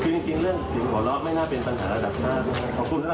คือจริงเรื่องน่ารักษ์สิ่งหัวเลาะไม่น่าเป็นปัญหาระดับหน้า